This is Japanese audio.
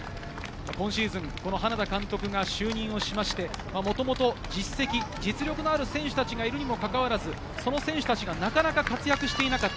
今シーズン花田監督が就任して、もともと実績、実力のある選手たちがいるにもかかわらず、選手たちがなかなか活躍していなかった。